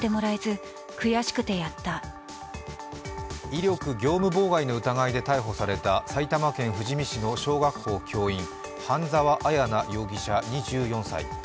威力業務妨害の疑いで逮捕された埼玉県富士見市の小学校教員半沢彩奈容疑者２４歳。